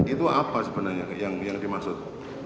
itu apa sebenarnya yang dimaksud